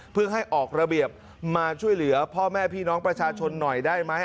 เพื่อให้ออกระเบียบมาช่วยเหลือพ่อแม่พี่น้องประชาชนหน่อยได้ไหม